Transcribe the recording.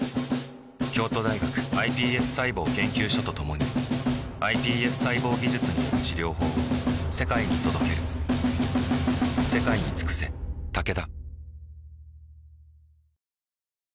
京都大学ｉＰＳ細胞研究所と共にｉＰＳ細胞技術による治療法を世界に届ける人生これから！